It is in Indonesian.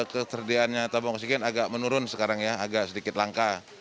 keterdiaannya tabung oksigen agak menurun sekarang ya agak sedikit langka